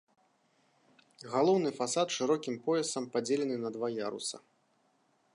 Галоўны фасад шырокім поясам падзелены на два ярусы.